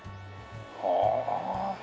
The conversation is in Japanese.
はあ。